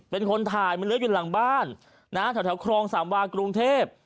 เป็นคนถ่ายมันเลื้ออยู่หลังบ้านนะฮะแถวครองสามวากรุงเทพ